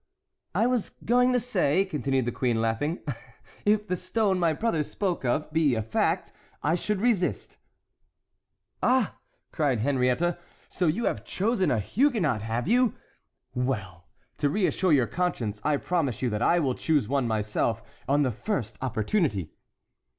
"I was going to say," continued the queen, laughing, "if the stone my brother spoke of be a fact, I should resist." "Ah!" cried Henriette, "so you have chosen a Huguenot, have you? Well, to reassure your conscience, I promise you that I will choose one myself on the first opportunity."